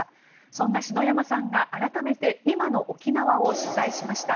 そんな篠山さんが改めて今の沖縄を取材しました。